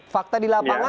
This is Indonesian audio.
fakta di lapangan